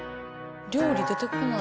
料理出てこない。